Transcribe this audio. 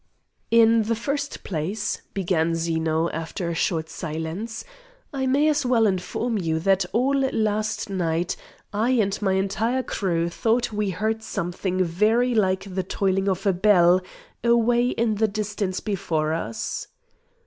"In the first place," began Zeno, after a short silence, "I may as well inform you that all last night I and my entire crew thought we heard something very like the tolling of a bell away in the distance before us."